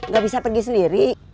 gak bisa pergi sendiri